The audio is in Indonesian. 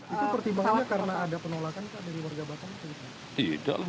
itu pertimbangannya karena ada penolakan dari warga batam